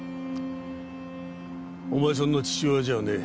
お前さんの父親じゃねえ。